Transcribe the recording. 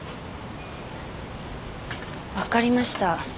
わかりました。